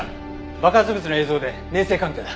爆発物の映像で粘性鑑定だ。